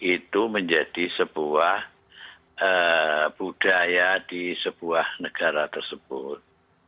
itu menjadi sebuah budaya di sebuah negara tersebut